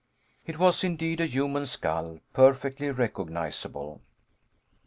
It was indeed a human skull, perfectly recognizable.